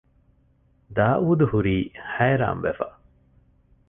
ދާއޫދުހުރީ ހައިރާންވެފަ